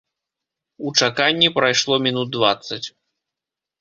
У чаканні прайшло мінут дваццаць.